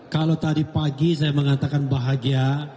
kalau tadi pagi saya mengatakan bahagia